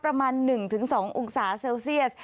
ประมาณ๑๒องศาเซลเซียส